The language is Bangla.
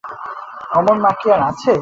অমন মা কি আর আছে!